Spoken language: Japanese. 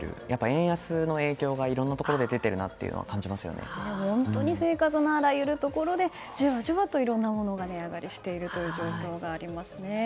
円安の影響がいろんなところで本当に生活のあらゆるところでじわじわといろんなものが値上がりしている状況ですね。